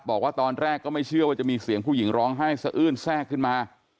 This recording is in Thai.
บอกว่าตอนแรกก็ไม่เชื่อว่าจะมีเสียงผู้หญิงร้องไห้สะอื้นแทรกขึ้นมา